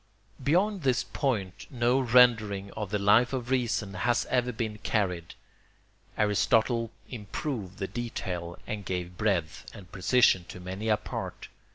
] Beyond this point no rendering of the Life of Reason has ever been carried, Aristotle improved the detail, and gave breadth and precision to many a part.